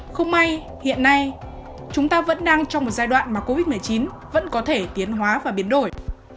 không may hiện nay chúng ta vẫn đang trong một giai đoạn mà covid một mươi chín vẫn có thể tiến hóa và biến đổi